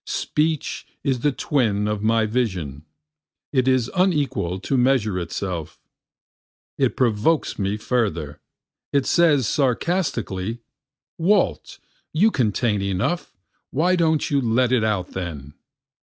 Speech is the twin of my vision, it is unequal to measure itself, It provokes me forever, it says sarcastically, Walt you contain enough, why don't you let it out then?